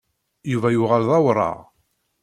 Yuba yuɣal d awraɣ.